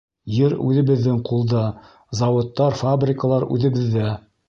Ер үҙебеҙҙең ҡулда, заводтар, фабрикалар үҙебеҙҙә.